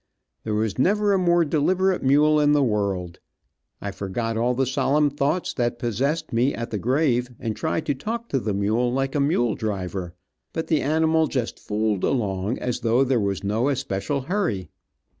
There was never a more deliberate mule in the world. I forgot all the solemn thoughts that possessed me at the grave, and tried to talk to the mule like a mule driver, but the animal just fooled along, as though there was no especial hurry.